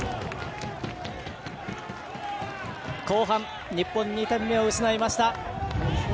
後半、日本２点目を失いました。